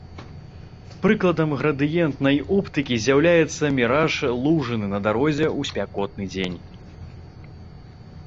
Прыкладам градыентнай оптыкі з'яўляецца міраж лужыны на дарозе ў спякотны дзень.